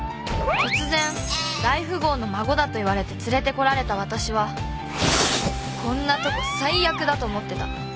突然大富豪の孫だと言われて連れてこられたわたしはこんなとこ最悪だと思ってた。